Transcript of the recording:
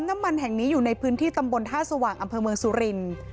น้ำมันแห่งนี้อยู่ในพื้นที่ตำบลท่าสว่างอำเภอเมืองสุรินทร์